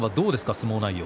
相撲内容。